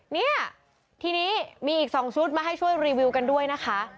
เนี่ยทีนี้มีอีก๒ชุดมาให้ช่วยรีวิวกันด้วยนะคะ